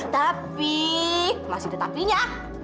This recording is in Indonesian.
tapi masih ada tapinya